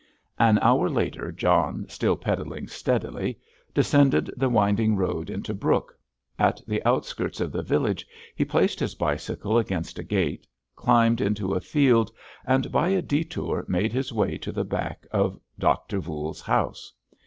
An hour later, John, still pedalling steadily, descended the winding road into Brooke. At the outskirts of the village he placed his bicycle against a gate, climbed into a field, and, by a detour, made his way to the back of Doctor Voules's house.